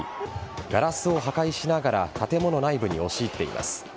ガラスを破壊しながら建物内部に押し入っています。